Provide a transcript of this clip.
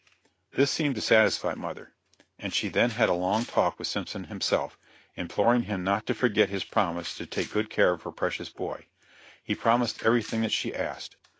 This seemed to satisfy mother, and then she had a long talk with Simpson himself, imploring him not to forget his promise to take good care of her precious boy. He promised everything that she asked.